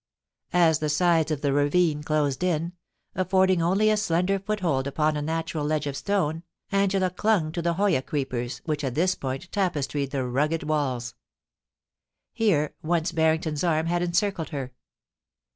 As the sides of the ravine closed in, affording only a slender foothold upon a natural ledge of stone, Angela clung to the hoya creepers, which at this point tapestried the rugged walls. Here, once Barrington's arm had encircled her.